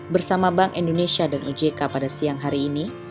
bersama bank indonesia dan ojk pada siang hari ini